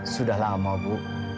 sudah lama bu